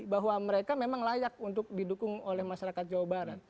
bahwa mereka memang layak untuk didukung oleh masyarakat jawa barat